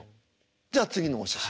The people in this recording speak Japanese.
じゃあ次のお写真。